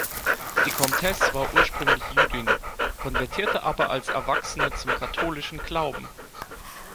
Die Comtesse war ursprünglich Jüdin, konvertierte aber als Erwachsene zum katholischen Glauben.